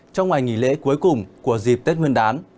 trong ngày nghỉ lễ cuối cùng của dịp tết nguyên đán